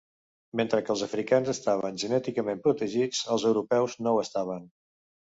Mentre que els africans estaven genèticament protegits, els europeus no ho estaven.